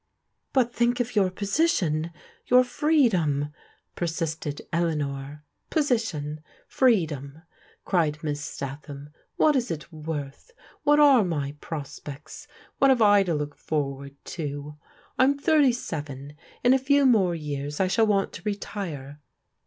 "But think of your podtion! your freedom!" per sisted Eleanor. " Position ! Freedom !" cried Miss Statham. " What is it worth? WTiat are my prospects? What have I to look forward to? I am thirtv seven. In a few more years I shall want to retire.